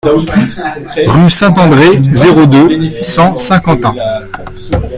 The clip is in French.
Rue Saint-André, zéro deux, cent Saint-Quentin